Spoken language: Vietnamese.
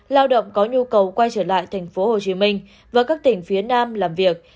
lao động có nhu cầu quay trở lại thành phố hồ chí minh và các tỉnh phía nam làm việc